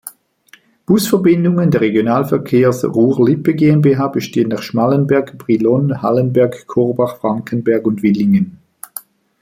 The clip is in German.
Busverbindungen der Regionalverkehrs Ruhr-Lippe GmbH bestehen nach Schmallenberg, Brilon, Hallenberg, Korbach, Frankenberg und Willingen.